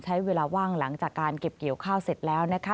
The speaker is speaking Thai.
ใช้เวลาว่างหลังจากการเก็บเกี่ยวข้าวเสร็จแล้วนะคะ